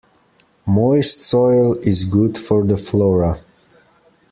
Moist soil is good for the flora.